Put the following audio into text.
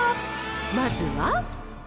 まずは。